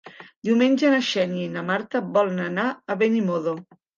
Diumenge na Xènia i na Marta volen anar a Benimodo.